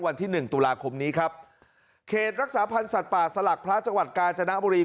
วันที่หนึ่งตุลาคมนี้ครับเขตรักษาพันธ์สัตว์ป่าสลักพระจังหวัดกาญจนบุรี